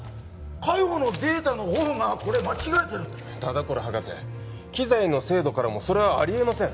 海保のデータの方がこれ間違えてるんだ田所博士機材の精度からもそれはありえません